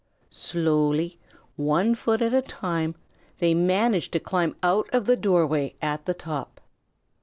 Slowly, one foot at a time, they managed to climb out of the doorway at the top.